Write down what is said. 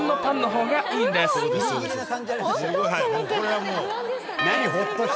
これはもう。